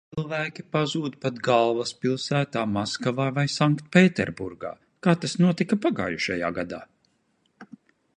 Cilvēki pazūd pat galvaspilsētā Maskavā vai Sanktpēterburgā, kā tas notika pagājušajā gadā.